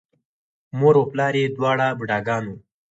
مور و پلار یې دواړه بوډاګان وو،